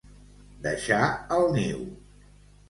Deixar el niu.